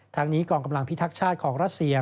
ทางนี้กองกำลังพิทักษ์ชาติของรัสเซีย